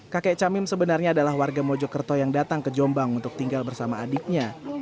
kakek camim sebenarnya adalah warga mojokerto yang datang ke jombang untuk tinggal bersama adiknya